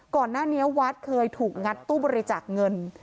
ก่อนหน้านี้วัดเคยถูกงัดตู้บริจาคเงิน